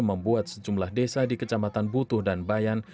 membuat sejumlah desa di kecamatan butuh dan bayan